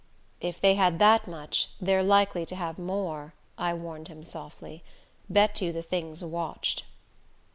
"If they had that much, they're likely to have more," I warned him, softly. "Bet you the thing's watched."